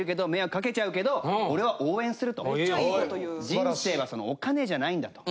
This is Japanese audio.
「人生はお金じゃないんだ」と。